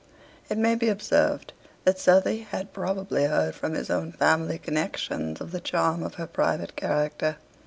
It may be observed that Southey had probably heard from his own family connections of the charm of her private character.